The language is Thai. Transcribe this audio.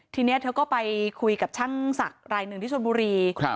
ทีนี้เธอก็ไปคุยกับช่างศักดิ์รายหนึ่งที่ชนบุรี